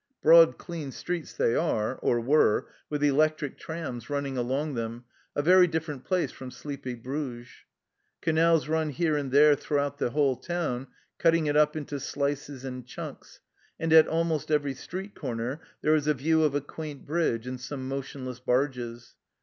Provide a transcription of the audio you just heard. Broad clean streets they are or were with electric trams running along them, a very different place from sleepy Bruges ! Canals run here and there throughout the whole town, cutting it up into slices and chunks, and at almost every street corner there is a view of a quaint bridge and some motionless barges.